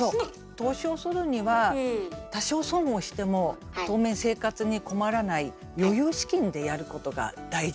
投資をするには多少損をしても当面生活に困らない余裕資金でやることが大事なんだよね。